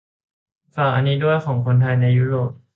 ฝากอันนี้ด้วย ของคนไทยในยุโรป